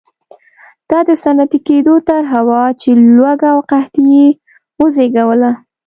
دا د صنعتي کېدو طرحه وه چې لوږه او قحطي یې وزېږوله.